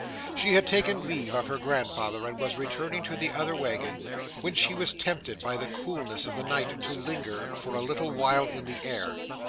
She had taken leave of her grandfather and was returning to the other waggon, when she was tempted by the coolness of the night to linger for a little while in the air.